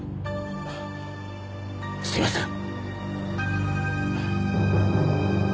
すいません。